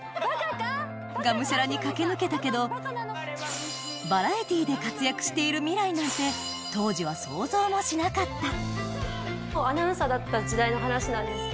がむしゃらに駆け抜けたけどバラエティーで活躍している未来なんて当時は想像もしなかったアナウンサーだった時代の話なんですけど。